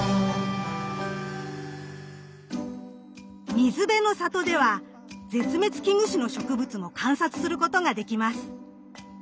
「水辺のさと」では絶滅危惧種の植物も観察することができます！